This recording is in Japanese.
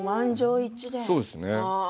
そうですね。